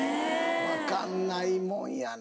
わかんないもんやな。